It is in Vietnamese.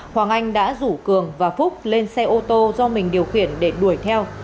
hoàng anh đã rủ cường và phúc lên xe ô tô do mình điều khiển để đuổi theo